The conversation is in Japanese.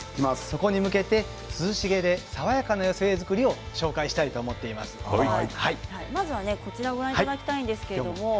そこに向けて涼しげで爽やかな寄せ植え作りを紹介したいとまずはこちらをご覧いただきたいんですけれども。